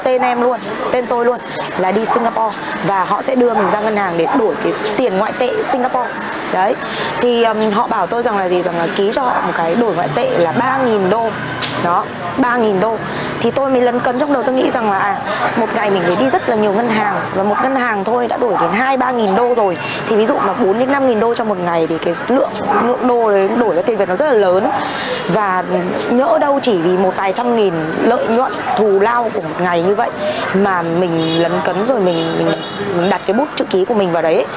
trong một ngày thì lượng đô đổi tiền việt rất là lớn và nhỡ đâu chỉ vì một tài trăm nghìn lợi nhuận thù lao của một ngày như vậy mà mình lấn cấn rồi mình đặt cái bút chữ ký của mình vào đấy